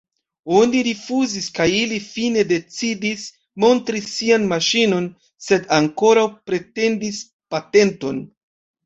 Oni rifuzis kaj ili, fine, decidis montri sian maŝinon, sed ankoraŭ pretendis patenton.